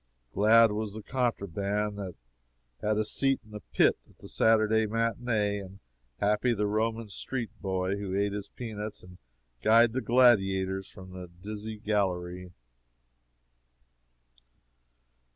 Glad was the contraband that had a seat in the pit at the Saturday matinee, and happy the Roman street boy who ate his peanuts and guyed the gladiators from the dizzy gallery.